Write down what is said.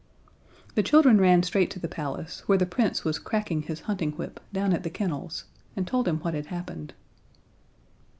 The children ran straight to the palace, where the Prince was cracking his hunting whip down at the kennels, and told him what had happened.